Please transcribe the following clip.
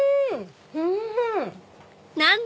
おいしい！